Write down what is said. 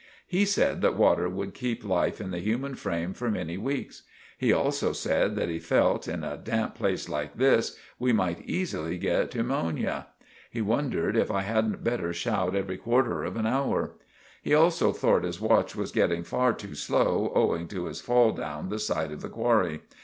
He said that water would keep life in the human frame for many weeks. He also said that he fealt, in a damp place like this, we might eesily get pewmonia. He wondered if I hadn't better shout every quarter of an hour. He also thort his watch was going far too slow owing to his fall down the side of the qwarry.